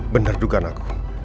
bener duga anakku